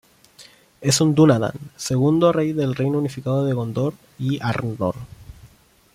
Es un dúnadan, segundo rey del Reino Unificado de Gondor y Arnor.